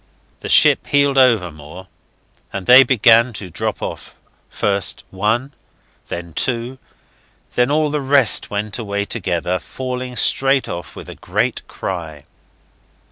The ship heeled over more, and they began to drop off: first one, then two, then all the rest went away together, falling straight off with a great cry.